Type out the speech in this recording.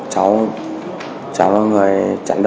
cháu là người chặn đồ